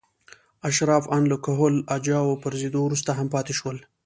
اشراف ان له کهول اجاو پرځېدو وروسته هم پاتې شول.